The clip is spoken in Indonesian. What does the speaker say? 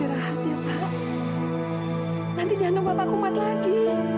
akan bawa anak kamu kembali